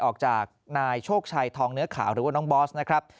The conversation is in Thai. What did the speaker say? ออกจากนายโชคชัยทองเนื้อขาวหรือว่าน้องบอสนะครับ